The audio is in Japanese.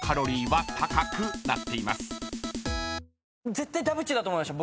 絶対ダブチェだと思いました